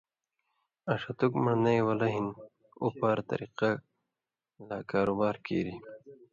آں ݜتُک من٘ڑنَیں وَلہ ہِن اُپار(طریقہ لا کاروبار)کیریۡ